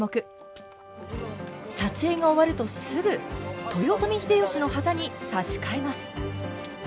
撮影が終わるとすぐ豊臣秀吉の旗に差し替えます。